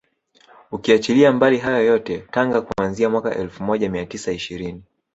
Ukiachilia mbali hayo yote Tanga kuanzia mwaka elfu moja mia tisa ishirini